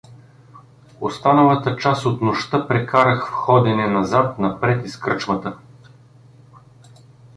Останалата част от нощта прекарах в ходене назад-напред из кръчмата.